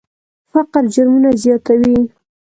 فقر جرمونه زیاتوي.